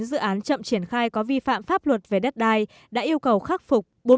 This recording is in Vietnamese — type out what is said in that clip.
ba mươi chín dự án chậm triển khai có vi phạm pháp luật về đất đai đã yêu cầu khắc phục